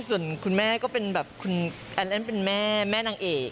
ส่วนคุณแม่ก็เป็นแบบคุณแอนเล่นเป็นแม่แม่นางเอก